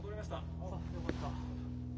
あっよかった！